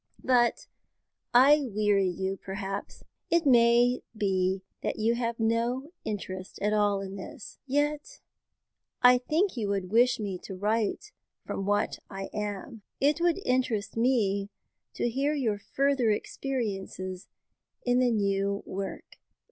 But I weary you, perhaps. It may be you have no interest in all this. Yet I think you would wish me to write from what I am. "It would interest me to hear your further experiences in the new work.